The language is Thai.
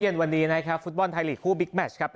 เย็นวันนี้นะครับฟุตบอลไทยลีกคู่บิ๊กแมชครับ